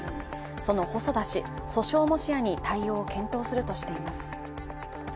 その細田氏、訴訟も視野に対応を検討するとしています。